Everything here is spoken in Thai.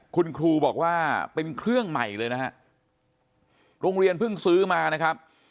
คุณครูบอกว่าเป็นเครื่องใหม่เลยนะฮะโรงเรียนเพิ่งซื้อมานะครับ